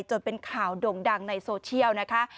จนเป็นข่าวด่งดังในโซเชียลนะคะ